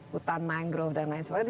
hutan mangrove dan lain sebagainya